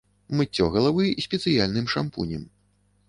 Мыццё галавы спецыяльным шампунем.